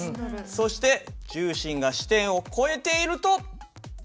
そして重心が支点を越えていると。